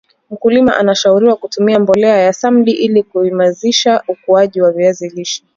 mkulima anashauriwa kutumia mbolea ya samdi ili kuimazisha ukuaji wa viazi lishe